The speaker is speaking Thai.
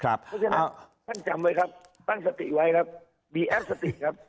เพราะฉะนั้นท่านจำไว้ครับตั้งสติไว้ครับมีแอปสติกครับ